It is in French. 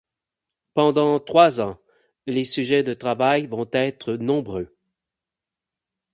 Pendant trois ans, les sujets de travail vont être nombreux.